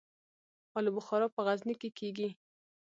الو بخارا په غزني کې کیږي